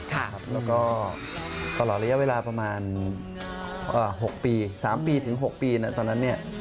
แล้วก็ตลอดระยะเวลาประมาณ๖ปี๓ปีถึง๖ปีตอนนั้นเนี่ย